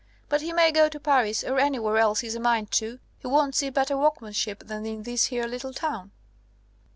But he may go to Paris, or anywhere else he's a mind to, he won't see better workmanship than in this here little town!"